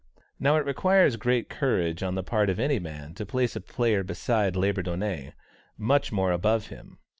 Now it requires great courage on the part of any man to place a player beside Labourdonnais, much more above him.